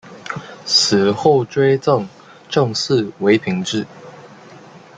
死后追赠正四位品秩。